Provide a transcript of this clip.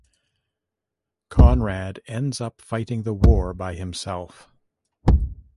Conrad ends up fighting the war by himself.